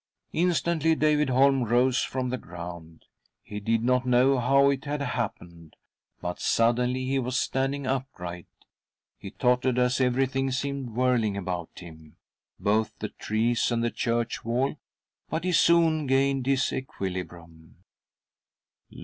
Instantly David Holm rose from the ground. He did not know how it had happened, but suddenly he was standing upright ! He tottered, as every thing seemed whirling about him, both the trees and the church wall— but he soon gained his equilibrium.